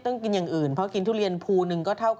แกงเปลือกของเทศบาท